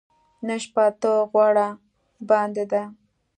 نن شپې ته غوړه باندې ده .